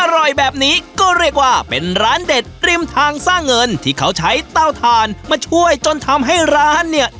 อร่อยแบบนี้ก็เรียกว่าเป็นร้านเด็ดริมทางสร้างเงินที่เขาใช้เต้าทานมาช่วยจนทำให้ร้านเนี่ย